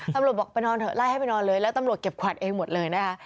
บอกไปนอนเถอะไล่ให้ไปนอนเลยแล้วตำรวจเก็บขวัญเองหมดเลยนะคะ